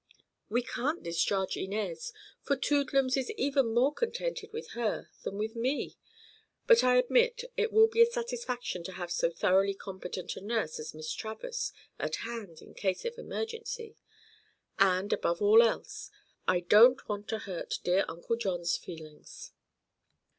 We can't discharge Inez, for Toodlums is even more contented with her than with me; but I admit it will be a satisfaction to have so thoroughly competent a nurse as Miss Travers at hand in case of emergency. And, above all else, I don't want to hurt dear Uncle John's feelings."